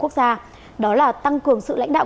quốc gia đó là tăng cường sự lãnh đạo